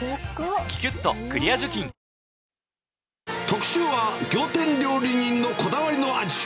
特集は、仰天料理人のこだわりの味。